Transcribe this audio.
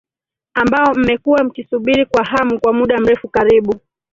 ambao mmekuwa mkisubiri kwa hamu kwa muda mrefu karibu